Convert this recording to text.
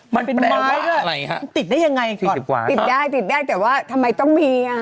มันเป็นแปลว่าอะไรฮะมันติดได้ยังไงคือติดได้ติดได้แต่ว่าทำไมต้องมีอ่ะ